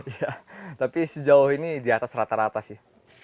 iya tapi sejauh ini di atas rata rata sih